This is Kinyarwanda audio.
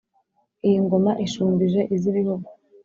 iyi ngoma ishumbije iz'ibihugu